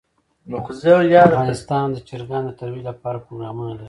افغانستان د چرګان د ترویج لپاره پروګرامونه لري.